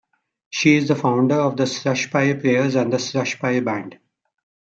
She is the founder of the Slushpile players and Slushpile band.